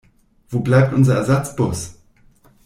Wo bleibt unser Ersatzbus?